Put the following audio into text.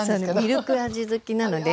ミルク味好きなのではい。